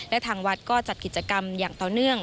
และทางวัดก็จัดกิจกรรมอย่างต่อเนื่อง